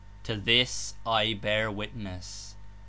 To this I htar zvitness."